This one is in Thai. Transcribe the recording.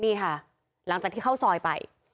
นี่ค่ะหลังจากที่เข้าซอยไป